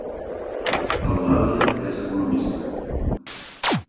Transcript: Eulàlia és economista